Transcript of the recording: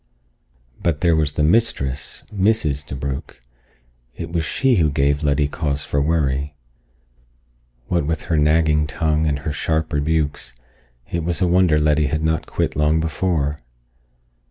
But there was the mistress, Mrs. DeBrugh! It was she who gave Letty cause for worry. What with her nagging tongue and her sharp rebukes, it was a wonder Letty had not quit long before.